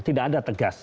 tidak ada tegas